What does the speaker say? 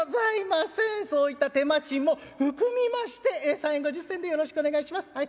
そういった手間賃も含みまして３円５０銭でよろしくお願いしますはい」。